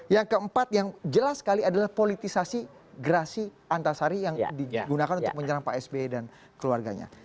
yang keempat yang jelas sekali adalah politisasi gerasi antasari yang digunakan untuk menyerang pak sby dan keluarganya